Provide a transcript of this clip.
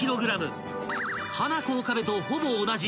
［ハナコ岡部とほぼ同じ。